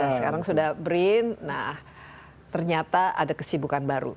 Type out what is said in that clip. sekarang sudah berin ternyata ada kesibukan baru